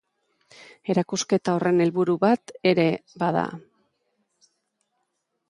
Erakusketa horren helburu bat ere bada.